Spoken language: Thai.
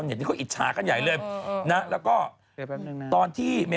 โอ้โหไอติชายังจริงงี้อ่ะ